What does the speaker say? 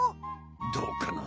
どうかな？